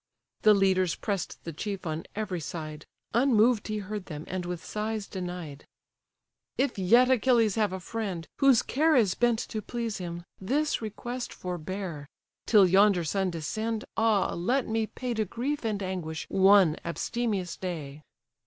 The leaders press'd the chief on every side; Unmoved he heard them, and with sighs denied. "If yet Achilles have a friend, whose care Is bent to please him, this request forbear; Till yonder sun descend, ah, let me pay To grief and anguish one abstemious day."